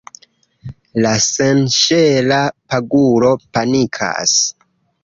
La senŝela paguro panikas.